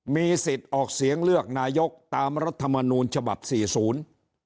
มีสิทธิ์ออกเสียงเลือกนายกตามรัฐมนูลฉบับสี่ศูนย์